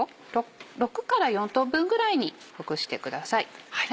６から４等分ぐらいにほぐしてください。